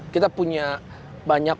kita punya banyak